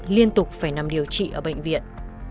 liên tục phải nằm điều trị ở bệnh viện